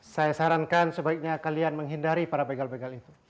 saya sarankan sebaiknya kalian menghindari para begal begal itu